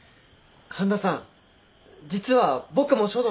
半田さん実は僕も書道。